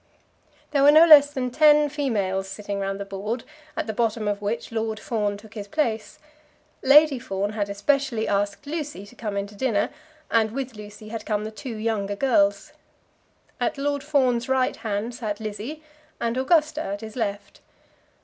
There were no less than ten females sitting round the board, at the bottom of which Lord Fawn took his place. Lady Fawn had especially asked Lucy to come in to dinner, and with Lucy had come the two younger girls. At Lord Fawn's right hand sat Lizzie, and Augusta at his left.